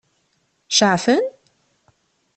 Ceɛfen?